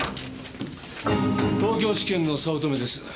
東京地検の早乙女です。